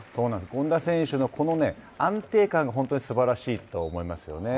権田選手のこの安定感が本当にすばらしいと思いますよね。